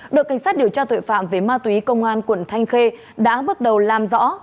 đội cảnh sát điều tra tội phạm về ma túy công an quận thanh khê đã bước đầu làm rõ